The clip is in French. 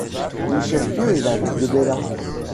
Le chef-lieu est la ville de Beyla.